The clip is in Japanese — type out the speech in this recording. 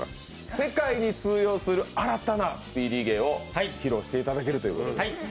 世界に通用する新たなスピーディー芸を披露していただけると。